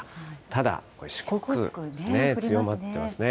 ただ、四国、強まってますね。